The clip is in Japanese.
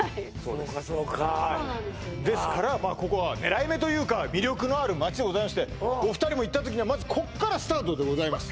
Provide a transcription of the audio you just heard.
そうかそうかそうなんですよですからまあここは狙い目というか魅力のある街でございましてお二人も行った時にはまずこっからスタートでございます